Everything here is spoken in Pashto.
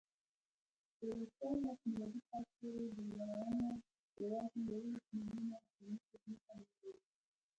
تر څوارلس میلادي کال پورې بزګرانو یواځې یوولس میلیونه کیلومتره ځمکه نیولې وه.